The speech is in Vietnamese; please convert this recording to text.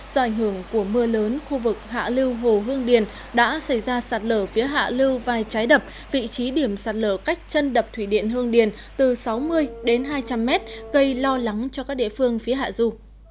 do ảnh hưởng của mưa lớn khu vực hạ lưu hồ hương điền đã xảy ra sạt lở phía hạ lưu vài trái đập vị trí điểm sạt lở cách chân đập thủy điện hương điền từ sáu mươi đến hai trăm linh mét gây lo lắng cho các địa phương phía hạ du